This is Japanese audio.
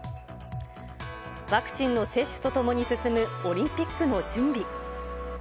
ワクチンの接種とともに進むオリンピックの準備。